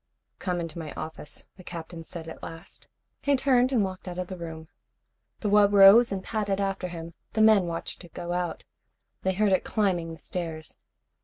"Come into my office," the Captain said at last. He turned and walked out of the room. The wub rose and padded after him. The men watched it go out. They heard it climbing the stairs.